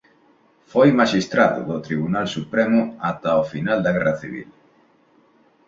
Foi maxistrado do Tribunal Supremo ata o final de Guerra civil.